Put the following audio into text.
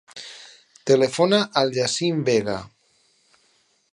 Telefona al Yassin Vega.